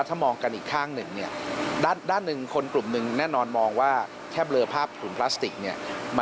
เสียงคุณวราวุฒิค่ะ